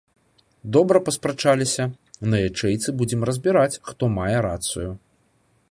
Добра паспрачаліся, на ячэйцы будзем разбіраць, хто мае рацыю.